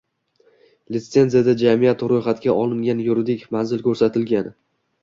Litsenziyada jamiyat ro’yxatga olingan yuridik manzil ko’rsatilgan.